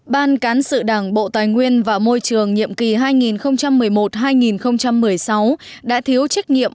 ban cán sự đảng bộ tài nguyên và môi trường nhiệm kỳ hai nghìn một mươi một hai nghìn một mươi sáu đã thiếu trách nhiệm